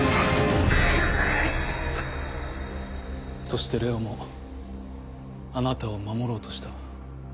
そしてＬＥＯもあなたを守ろうとした。